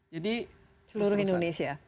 jadi seluruh indonesia